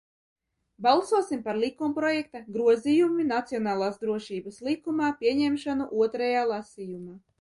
"Balsosim par likumprojekta "Grozījumi Nacionālās drošības likumā" pieņemšanu otrajā lasījumā!"